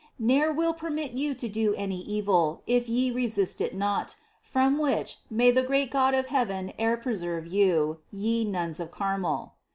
Ne'er will permit you to do any evil If ye resist it not — from which May the great God of heaven e'er preserve you, Ye Nuns of Carmel